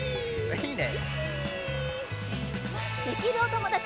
いいね。